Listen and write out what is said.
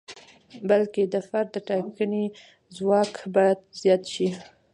بلکې د فرد د ټاکنې ځواک باید زیات شي.